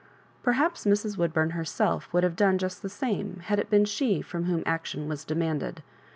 Perhaps Mr& Woodbum herself would have done just the same, had it been she (torn whom action was demanded.